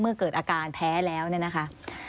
เมื่อเกิดอาการแพ้แล้วนี่นะคะ